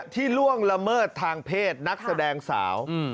ล่วงละเมิดทางเพศนักแสดงสาว